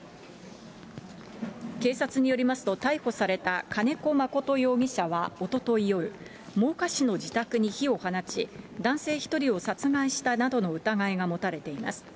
警察によりますと、逮捕された金子誠容疑者はおととい夜、真岡市の自宅に火を放ち、男性１人を殺害したなどの疑いが持たれています。